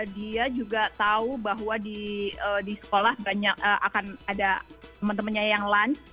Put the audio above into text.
dia juga tahu bahwa di sekolah banyak akan ada temen temennya yang lunch